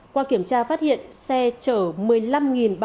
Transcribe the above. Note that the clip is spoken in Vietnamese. qua kiểm tra phát hiện xe chở một mươi năm bao chiếc